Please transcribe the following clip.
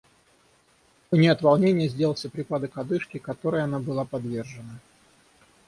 У ней от волнения сделался припадок одышки, которой она была подвержена.